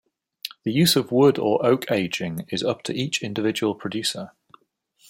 The use of wood or oak aging is up to each individual producer.